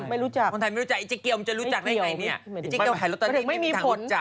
ไอ้เจ๊เกี๊ยวมันจะรู้จักได้ไงเนี่ย